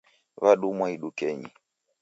W'adumwa idukenyi.